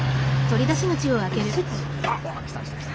うわっ。来た来た来た。